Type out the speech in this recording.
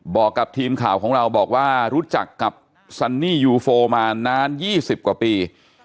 บอกกับทีมข่าวของเราบอกว่ารู้จักกับซันนี่ยูโฟมานาน๒๐กว่าปี